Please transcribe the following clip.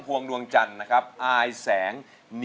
ร้องได้ให้ร้าง